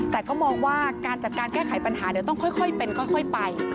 แต่ก็มองว่าการจัดการแก้ไขปัญหาเดี๋ยวต้องค่อยเป็นค่อยไป